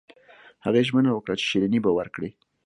هغې ژمنه وکړه چې شیریني به ورکړي